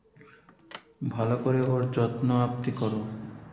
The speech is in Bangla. ভালো করে ওর যত্নআপ্তি করো!